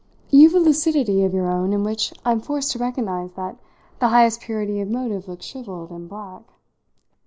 "You've a lucidity of your own in which I'm forced to recognise that the highest purity of motive looks shrivelled and black.